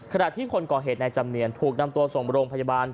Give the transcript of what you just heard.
ขณะที่คนก่อเหตุในจำเนียนถูกนำตัวส่งโรงพยาบาล